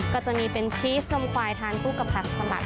ก็จะมีเป็นชีสนมควายทานคู่กับผักสลัด